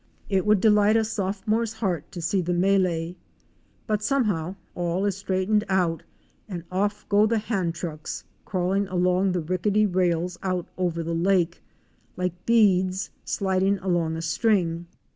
It would delight a Sopho more's heart to see the mélée. But somehow all is straight ened out and off go the hand trucks, crawling along the rickety rails out over the lake, like beads sliding along a string.